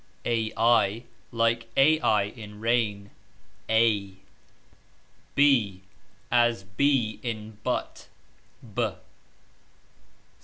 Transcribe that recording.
...... Like ai in 'rain ............ As b in but